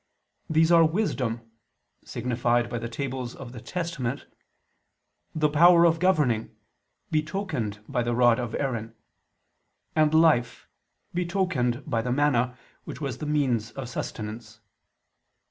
These are wisdom, signified by the tables of the testament; the power of governing, betokened by the rod of Aaron; and life, betokened by the manna which was the means of sustenance.